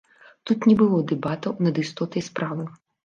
Тут не было дэбатаў над істотай справы.